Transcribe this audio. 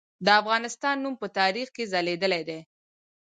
د افغانستان نوم په تاریخ کې ځلیدلی دی.